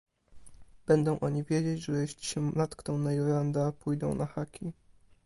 "Będą oni wiedzieć, że jeśli się natkną na Juranda, pójdą na haki."